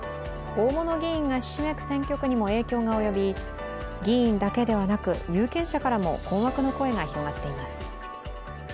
大物議員がひしめく選挙区にも影響が及び、議員だけではなく有権者からも困惑の声が広がっています。